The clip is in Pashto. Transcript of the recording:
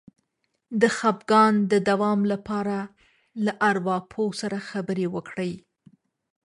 د خپګان د دوام لپاره له ارواپوه سره خبرې وکړئ